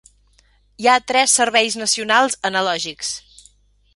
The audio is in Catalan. Hi ha tres serveis nacionals analògics.